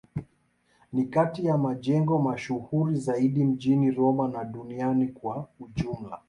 Ni kati ya majengo mashuhuri zaidi mjini Roma na duniani kwa ujumla.